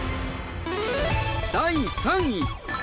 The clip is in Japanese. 第３位。